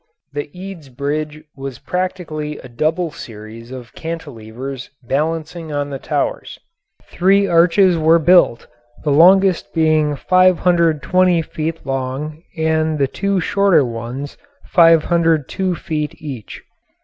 The Eads Bridge was practically a double series of cantilevers balancing on the towers. Three arches were built, the longest being 520 feet long and the two shorter ones 502 feet each.